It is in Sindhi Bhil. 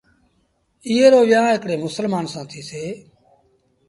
ايئي رو ويهآݩ هڪڙي مسلمآݩ سآݩ ٿيٚسيٚ۔